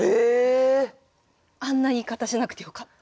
あんな言い方しなくてよかった。